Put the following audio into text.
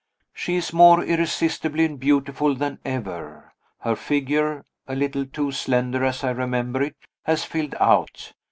She is more irresistibly beautiful than ever. Her figure (a little too slender as I remember it) has filled out.